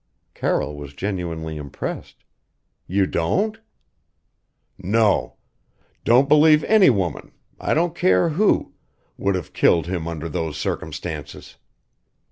Carroll was genuinely impressed. "You don't?" "No. Don't believe any woman I don't care who would have killed him under those circumstances."